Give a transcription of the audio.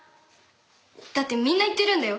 だってみんな行ってるんだよ。